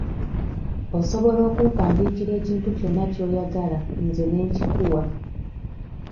Osobola okumpandiikira ekintu kyonna ky'oyagala nze ne nkikuwa.